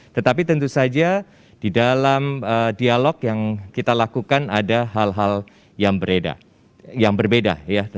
tetapi tentu saja di dalam dialog yang kita lakukan ada hal hal yang berbeda